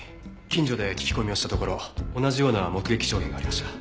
近所で聞き込みをしたところ同じような目撃証言がありました。